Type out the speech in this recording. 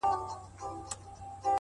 فاصله مو ده له مځکي تر تر اسمانه!!